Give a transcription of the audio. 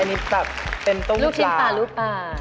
อันนี้ตักเป็นต้มพรีปลารูปชิ้นปลารูปปลา